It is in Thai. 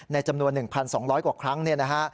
จำนวน๑๒๐๐กว่าครั้งเนี่ยนะฮะ